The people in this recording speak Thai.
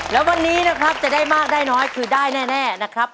แล้ววันนี้นะครับจะได้มากได้น้อยคือได้แน่นะครับ